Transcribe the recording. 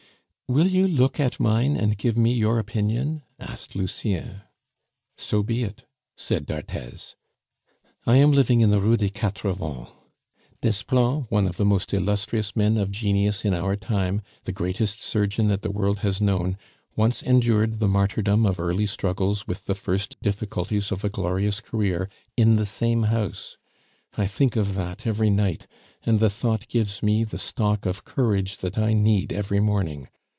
"Will you look at mine and give me your opinion?" asked Lucien. "So be it," said d'Arthez. "I am living in the Rue des Quatre Vents. Desplein, one of the most illustrious men of genius in our time, the greatest surgeon that the world has known, once endured the martyrdom of early struggles with the first difficulties of a glorious career in the same house. I think of that every night, and the thought gives me the stock of courage that I need every morning.